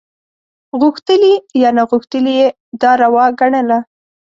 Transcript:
غوښتلي یا ناغوښتلي یې دا روا ګڼله.